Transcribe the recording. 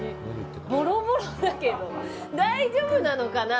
ボロボロだけど大丈夫なのかな。